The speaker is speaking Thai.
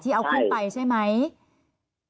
ที่เอาคู่ไปใช่ไหมใช่ใช่ใช่ใช่ใช่ใช่ใช่ใช่ใช่ใช่ใช่ใช่